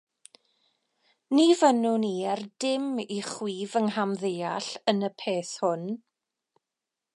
Ni fynnwn i er dim i chwi fy nghamddeall yn y peth hwn.